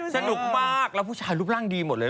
สนุกมากแล้วผู้ชายรูปร่างดีหมดเลย